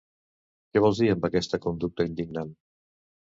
Què vols dir amb aquesta conducta indignant.